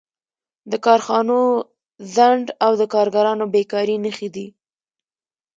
د کارخانو ځنډ او د کارګرانو بېکاري نښې دي